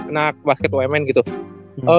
anak basket wmn gitu kan